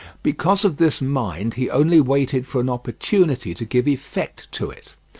Being of this mind, he only waited for an opportunity to give effect to it.